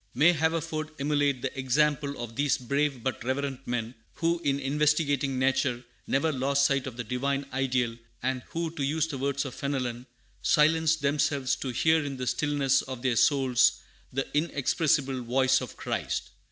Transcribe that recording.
May Haverford emulate the example of these brave but reverent men, who, in investigating nature, never lost sight of the Divine Ideal, and who, to use the words of Fenelon, "Silenced themselves to hear in the stillness of their souls the inexpressible voice of Christ."